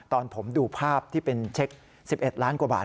ตอนผมดูภาพที่เป็นเช็ค๑๑ล้านกว่าบาท